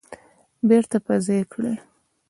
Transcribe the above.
بیرته په ځای کړي